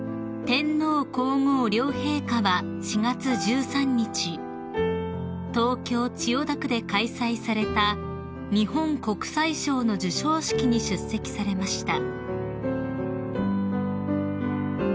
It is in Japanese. ［天皇皇后両陛下は４月１３日東京千代田区で開催された日本国際賞の授賞式に出席されました］